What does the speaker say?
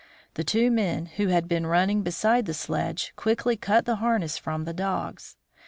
The two men, who had been run ning beside the sledge, quickly cut the harness from the dogs.